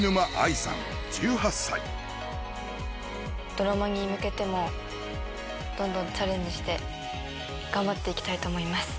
ドラマに向けてもどんどんチャレンジして頑張っていきたいと思います